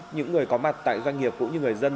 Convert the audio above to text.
những người có mặt tại doanh nghiệp cũng như người dân